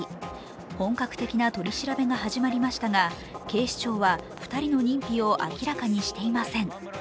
本格的な取り調べが始まりましたが警視庁は２人の認否を明らかにしていません。